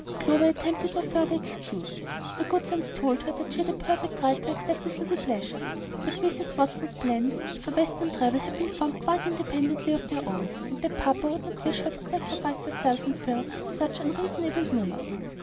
Clover attempted no further excuse. Her good sense told her that she had a perfect right to accept this little pleasure; that Mrs. Watson's plans for Western travel had been formed quite independently of their own, and that papa would not wish her to sacrifice herself and Phil to such unreasonable humors.